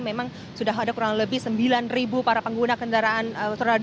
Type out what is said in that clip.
memang sudah ada kurang lebih sembilan para pengguna kendaraan roda dua